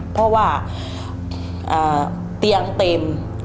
เพราะว่าเตียงเต็ม